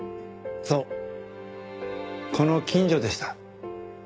そうこの近所でした。